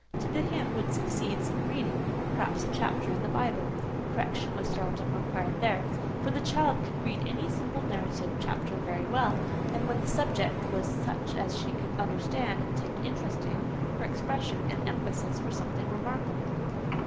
To the hymn would succeed some reading—perhaps a chapter in the Bible; correction was seldom required here, for the child could read any simple narrative chapter very well; and, when the subject was such as she could understand and take an interest in, her expression and emphasis were something remarkable.